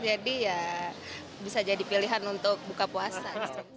jadi ya bisa jadi pilihan untuk buka puasa